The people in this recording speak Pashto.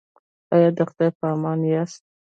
ایا د خدای په امان یاست؟